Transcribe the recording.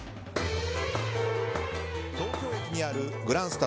東京駅にあるグランスタ